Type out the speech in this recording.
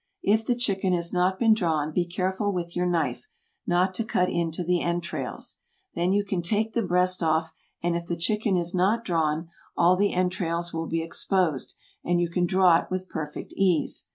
If the chicken has not been drawn be careful with your knife, not to cut into the entrails. Then you can take the breast off, and if the chicken is not drawn, all the entrails will be exposed, and you can draw it with perfect ease.